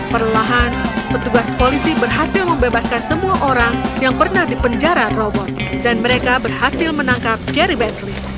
perlahan petugas polisi berhasil membebaskan semua orang yang pernah dipenjara robot dan mereka berhasil menangkap jerry bentley